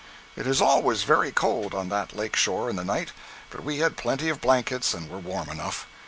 It is always very cold on that lake shore in the night, but we had plenty of blankets and were warm enough.